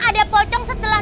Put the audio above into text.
ada pocong setelah